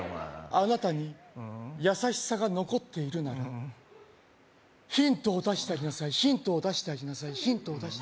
あなたに優しさが残っているならヒントを出してあげなさいヒントを出してあげなさい